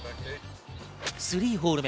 ３ホール目。